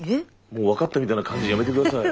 もう分かったみたいな感じやめてください。